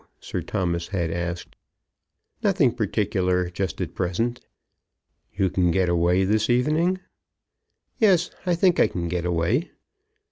Sir Thomas had asked. "Nothing particular just at present." "You can get away this evening?" "Yes, I think I can get away."